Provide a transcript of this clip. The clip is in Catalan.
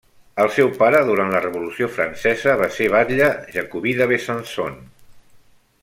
El seu pare, durant la Revolució francesa, va ser batlle jacobí de Besançon.